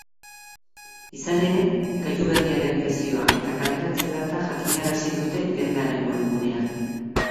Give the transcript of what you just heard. Izan ere, gailu berriaren prezioa eta kaleratze-data jakinarazi dute dendaren webgunean.